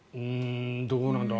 どうなんだろう。